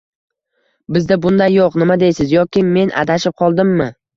Bizda bunday yo'q, nima deysiz?! Yoki men adashib qoldimmi?